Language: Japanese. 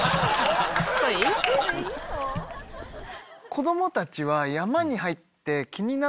子供たちは。